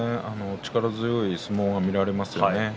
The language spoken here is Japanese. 力強い相撲が見られますね。